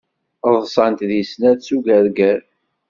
Ḍsant di snat s ugarger.